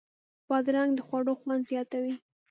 بادرنګ د خوړو خوند زیاتوي.